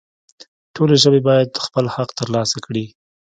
ټولې ژبې باید خپل حق ترلاسه کړي